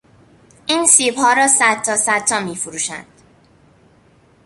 این سیبها را صدتا صدتا میفروشند.